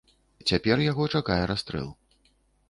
Цяпер яго чакае расстрэл.